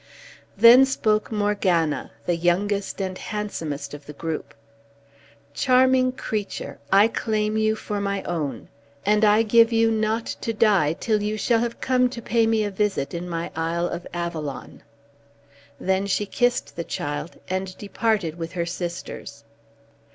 Then spoke Morgana, the youngest and handsomest of the group. "Charming creature, I claim you for my own; and I give you not to die till you shall have come to pay me a visit in my isle of Avalon." Then she kissed the child and departed with her sisters.